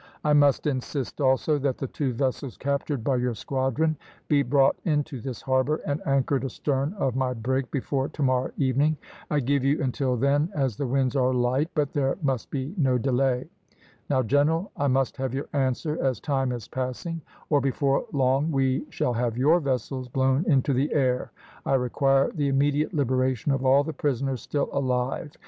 "I must insist, also, that the two vessels captured by your squadron be brought into this harbour and anchored astern of my brig before to morrow evening. I give you until then as the winds are light, but there must be no delay. Now, general, I must have your answer, as time is passing, or, before long, we shall have your vessels blown into the air. I require the immediate liberation of all the prisoners still alive.